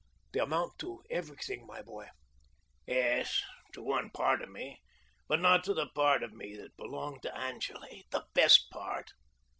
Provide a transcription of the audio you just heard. "They amount to everything, my boy." "Yes, to one part of me, but not to the part of me that belonged to Angele the best part.